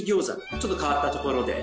ちょっと変わったところで。